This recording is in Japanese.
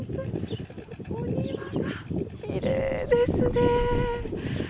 お庭が、きれいですね。